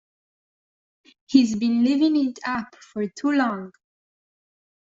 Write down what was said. He's been living it up for too long.